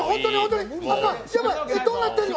どうなってんの！